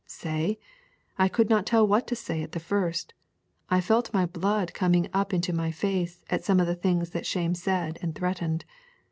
Say? I could not tell what to say at the first. I felt my blood coming up into my face at some of the things that Shame said and threatened.